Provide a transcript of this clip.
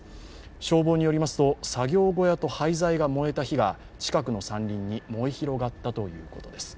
消防によりますと作業小屋と廃材が燃えた火が近くの山林に燃え広がったということです。